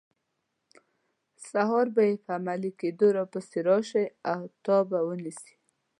سهار به یې په عملي کیدو پسې راشي او تا به ونیسي.